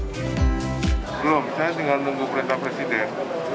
belum saya tinggal nunggu perintah presiden